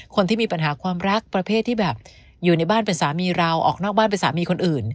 คนที่มีปัญหาความรักประเภทที่แบบอยู่ในบ้านเป็นสามีเราออกนอกบ้านเป็นสามีคนอื่น